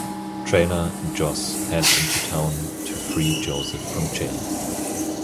Traylor and Joss head into town to free Joseph from jail.